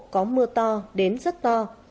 có mưa to đến rất to